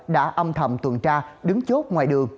đã âm thầm tuần tra đứng chốt ngoài đường